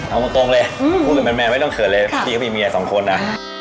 เอาตรงเลยพูดกับแมนไม่ต้องเกิดเลยพี่เขามีเมียสองคนนะ